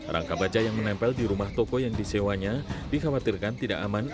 rangka baja yang menempel di rumah toko yang disewanya dikhawatirkan tidak aman